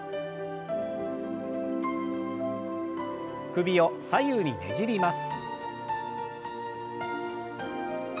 首を左右にねじります。